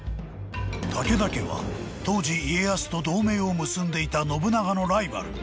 ［武田家は当時家康と同盟を結んでいた信長のライバル］